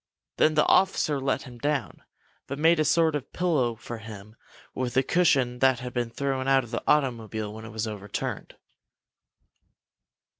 Then the officer let him down, but made a sort of pillow for him with a cushion that had been thrown out of the automobile when it was overturned.